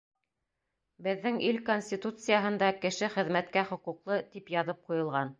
Беҙҙең ил Конституцияһында, кеше хеҙмәткә хоҡуҡлы, тип яҙып ҡуйылған.